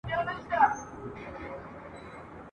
ته به مي څرنګه د تللي قدم لار لټوې !.